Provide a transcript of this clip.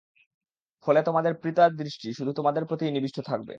ফলে তোমাদের পিতার দৃষ্টি শুধু তোমাদের প্রতিই নিবিষ্ট থাকবে।